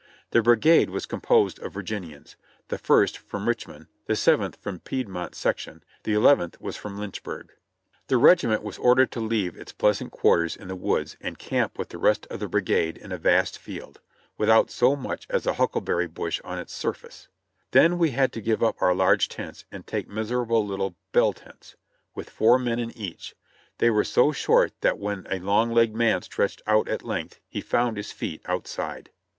The brigade was composed of Virginians ; the First from Rich mond, the Seventh from Piedmont section, the Eleventh was from Lynchburg. The regiment was ordered to leave its pleasant quarters in the woods and camp with the rest of the brigade in a vast field, without so much as a huckleberry bush on its surface; then we had to give up our large tents and take miserable little "bell tents" with four men in each; they were so short that when a long legged man stretched out at length he found his feet outside.